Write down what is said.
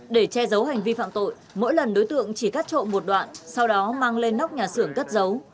để che giấu hành vi phạm tội mỗi lần đối tượng chỉ cắt trộm một đoạn sau đó mang lên nóc nhà xưởng cất giấu